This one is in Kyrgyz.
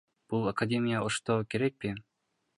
Бул академия Ошто керекпи?